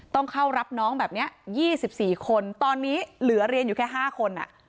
ต้องเข้ารับน้องแบบเนี้ยยี่สิบสี่คนตอนนี้เหลือเรียนอยู่แค่ห้าคนอ่ะ